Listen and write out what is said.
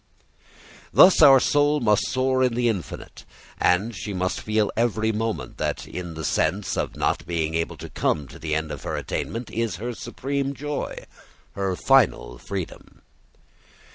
Thus our soul must soar in the infinite, and she must feel every moment that in the sense of not being able to come to the end of her attainment is her supreme joy, her final freedom.